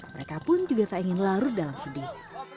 mereka pun juga tak ingin larut dalam sedih